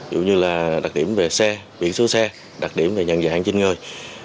dù như là đặc điểm về xe biển số xe đặc điểm về nhận dạng trên người